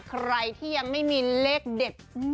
ใครที่ยังไม่มีเลขเด็ด